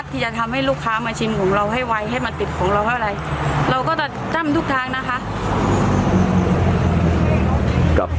เสียงคนไม่กระทบอะไรใดทั้งสิ้นเลยค่ะ